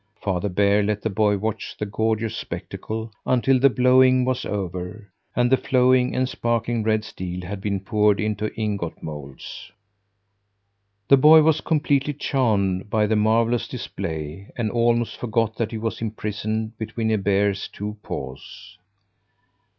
Father Bear let the boy watch the gorgeous spectacle until the blowing was over and the flowing and sparkling red steel had been poured into ingot moulds. The boy was completely charmed by the marvellous display and almost forgot that he was imprisoned between a bear's two paws.